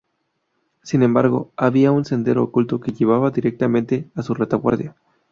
Sin embargo, había un sendero oculto que llevaba directamente a su retaguardia.